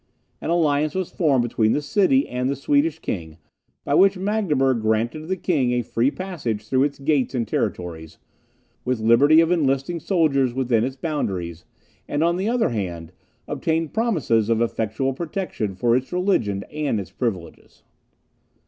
An alliance was formed between the city and the Swedish king, by which Magdeburg granted to the king a free passage through its gates and territories, with liberty of enlisting soldiers within its boundaries, and on the other hand, obtained promises of effectual protection for its religion and its privileges.